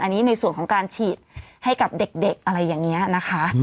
อันนี้ในส่วนของการฉีดให้กับเด็กอะไรอย่างนี้นะคะ